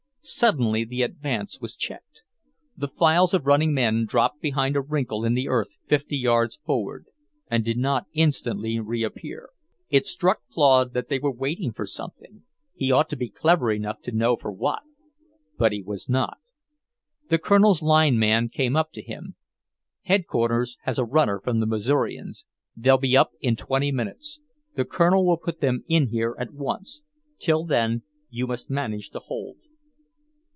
Suddenly the advance was checked. The files of running men dropped behind a wrinkle in the earth fifty yards forward and did not instantly re appear. It struck Claude that they were waiting for something; he ought to be clever enough to know for what, but he was not. The Colonel's line man came up to him. "Headquarters has a runner from the Missourians. They'll be up in twenty minutes. The Colonel will put them in here at once. Till then you must manage to hold."